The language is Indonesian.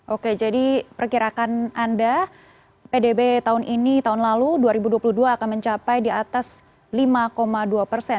oke jadi perkirakan anda pdb tahun ini tahun lalu dua ribu dua puluh dua akan mencapai di atas lima dua persen